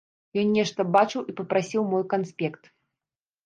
Ён нешта бачыў і папрасіў мой канспект.